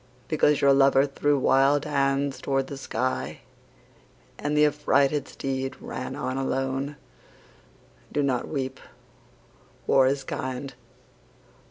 Because your lover threw wild hands toward the sky And the affrighted steed ran on alone, Do not weep. War is kind.